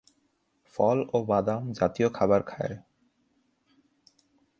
ফল ও বাদাম জাতীয় খাবার খায়।